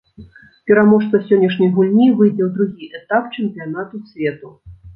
Пераможца сённяшняй гульні выйдзе ў другі этап чэмпіянату свету.